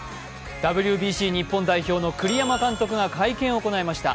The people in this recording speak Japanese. ＷＢＣ日本代表の栗山監督が会見を行いました。